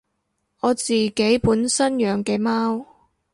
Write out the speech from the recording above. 我自己本身養嘅貓